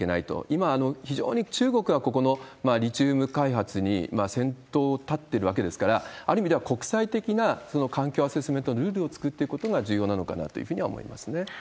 今、非常に中国がここのリチウム開発に先頭を立ってるわけですから、ある意味では国際的な環境アセスメントのルールを作っていくことが重要なのかなというふうには思いますね。